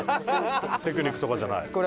テクニックとかじゃない？